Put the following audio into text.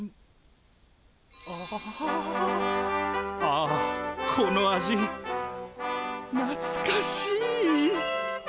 ああこの味なつかしい！